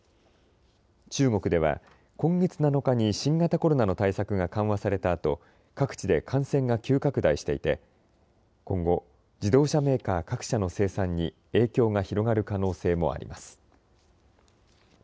中国では今月７日に新型コロナの対策が緩和されたあと各地で感染が急拡大していて今後、自動車メーカー各社の生産に影響が広がる可能性もあります。